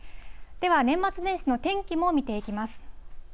では年末年始の天気も見ていきます。